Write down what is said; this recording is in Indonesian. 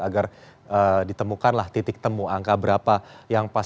agar ditemukanlah titik temu angka berapa yang pas